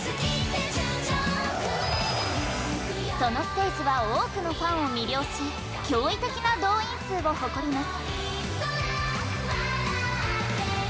そのステージは多くのファンを魅了し驚異的な動員数を誇ります。